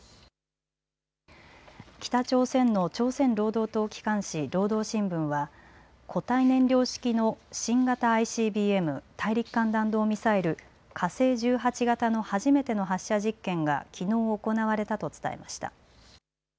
北朝鮮の朝鮮労働党機関紙、労働新聞は固体燃料式の新型ＩＣＢＭ・大陸間弾道ミサイル、火星１８型の初めての発射実験がきのう行われたと伝えました。